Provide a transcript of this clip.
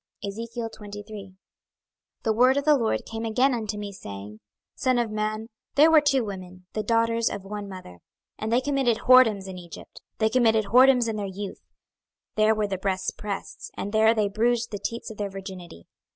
26:023:001 The word of the LORD came again unto me, saying, 26:023:002 Son of man, there were two women, the daughters of one mother: 26:023:003 And they committed whoredoms in Egypt; they committed whoredoms in their youth: there were their breasts pressed, and there they bruised the teats of their virginity.